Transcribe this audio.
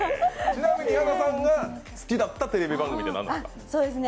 ちなみに矢田さんが好きだったテレビ番組って何ですか？